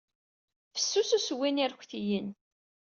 Fessus ussewwi n yirektiyen.